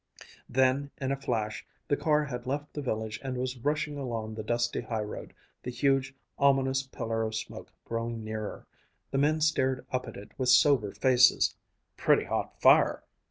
Then in a flash the car had left the village and was rushing along the dusty highroad, the huge, ominous pillar of smoke growing nearer. The men stared up at it with sober faces. "Pretty hot fire!"